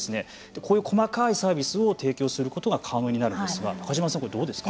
こういう細かいサービスを提供することが可能になるんですが中嶋さん、これ、どうですか。